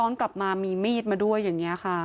กลับมามีมีดมาด้วยอย่างนี้ค่ะ